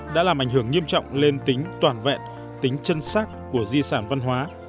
đã làm ảnh hưởng nghiêm trọng lên tính toàn vẹn tính chân sắc của di sản văn hóa